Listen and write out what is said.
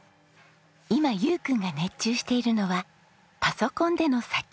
今悠君が熱中しているのはパソコンでの作曲です。